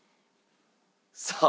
さあ。